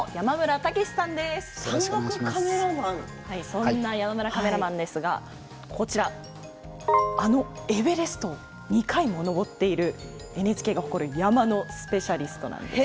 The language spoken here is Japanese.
そんな山村カメラマンですがこちらあのエベレストを２回も登っているＮＨＫが誇る山のスペシャリストなんです。